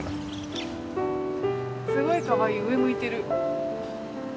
すごいかわいい上向いてる。